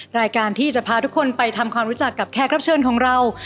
รายการที่จะพาทุกคนไปทำความรู้จักกับแขกรับเชิญของเรา